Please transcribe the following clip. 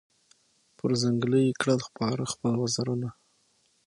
پر ځنګله یې کړل خپاره خپل وزرونه